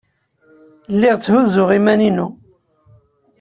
Lliɣ tthuzzuɣ iman-inu.